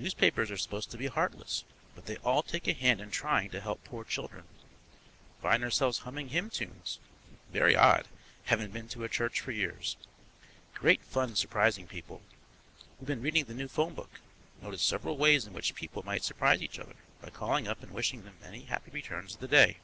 Newspapers are supposed to be heartless, but they all take a hand in trying to help poor children. Find ourselves humming hymn tunes. Very odd, haven't been to a church for years. Great fun surprising people. We've been reading the new phone book; noticed several ways in which people might surprise each other by calling up and wishing many happy returns of the day.